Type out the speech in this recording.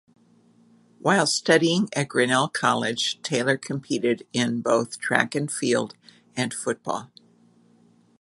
While studying at Grinnell College Taylor competed in both track and field and football.